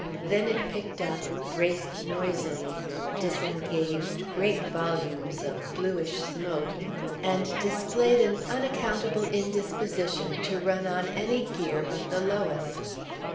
Then it picked up, raced noisily, disengaged great volumes of bluish smoke, and displayed an unaccountable indisposition to run on any gear but the lowest.